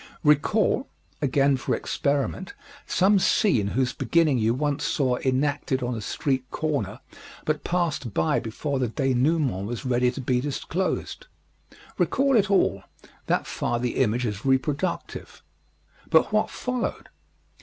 Recall, again for experiment, some scene whose beginning you once saw enacted on a street corner but passed by before the dénouement was ready to be disclosed. Recall it all that far the image is reproductive. But what followed?